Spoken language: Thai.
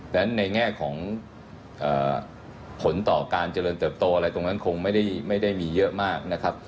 ในแง่ของผลต่อการเจริญเติบโตอะไรตรงนั้นคงไม่ได้มีเยอะมากนะครับ